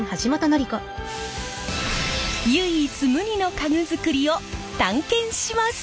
唯一無二の家具作りを探検します。